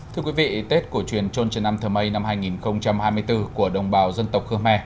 thưa quý vị tết cổ truyền trôn trần nam thờ mây năm hai nghìn hai mươi bốn của đồng bào dân tộc khơ me